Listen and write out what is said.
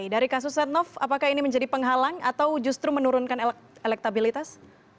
dari kasus setnov apakah ini menjadi penghalang atau justru menurunkan elektabilitas